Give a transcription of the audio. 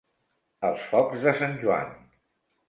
Els focs de Sant Joan.